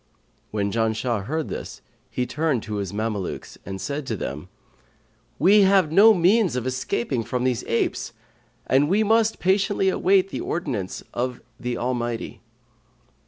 When Janshah heard this, he turned to his Mamelukes and said to them, 'We have no means of escaping from these apes, and we must patiently await the ordinance of the Almighty.'